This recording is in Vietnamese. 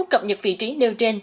cập nhật vị trí nêu trên